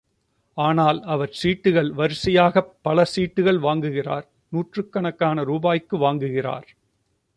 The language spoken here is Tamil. ஆனால் அவர் சீட்டுகள் வாரியாகப் பல சீட்டுகள் வாங்குகிறார் நூற்றுக் கணக்கான ரூபாய்க்கு வாங்குகிறார்.